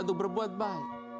untuk berbuat baik